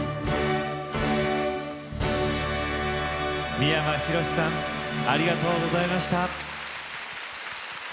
三山ひろしさんありがとうございました。